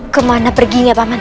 kemana pergi ya paman